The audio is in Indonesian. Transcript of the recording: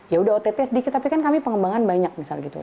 ya udah ott sedikit tapi kan kami pengembangan banyak misal gitu